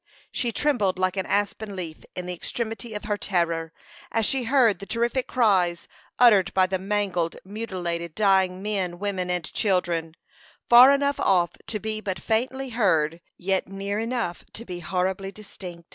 She trembled like an aspen leaf in the extremity of her terror, as she heard the terrific cries uttered by the mangled, mutilated, dying men, women, and children, far enough off to be but faintly heard, yet near enough to be horribly distinct.